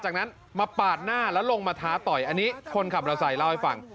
จากนั้นมาปาดหน้าแล้วลงมาท้าต่อยอันนี้คนขับมอเตอร์ไซค์เล่าให้ฟัง